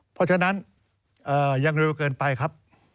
เพราะฉะนั้นยังเร็วเกินไปครับ